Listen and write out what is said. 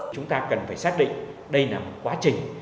chúng ta cần phải xác định đây là một quá trình